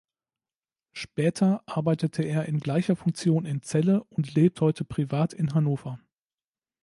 Später arbeitete er in gleicher Funktion in Celle und lebt heute privat in Hannover.